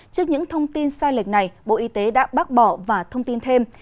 trước những thông tin sai lệch này bộ y tế đã bác bỏ và thông tin thêm